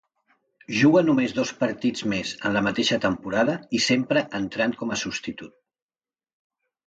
Juga només dos partits més en la mateixa temporada i sempre entrant com a substitut.